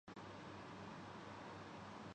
اب اگر ریاست پاکستان نہیں تو کم از کم حکومت پاکستان